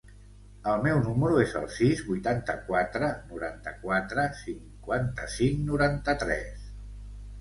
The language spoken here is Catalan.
El meu número es el sis, vuitanta-quatre, noranta-quatre, cinquanta-cinc, noranta-tres.